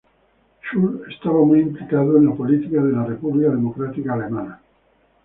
Schur estaba muy implicado en la política de la República Democrática Alemana.